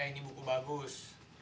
eh ini buku bagus